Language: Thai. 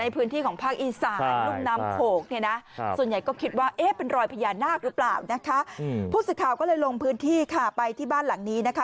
พูดสิทธิ์ข่าวก็เลยลงพื้นที่ค่ะไปที่บ้านหลังนี้นะคะ